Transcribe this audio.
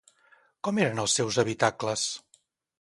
Com eren els seus habitacles?